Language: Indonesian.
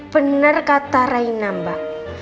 bener kata raina mbak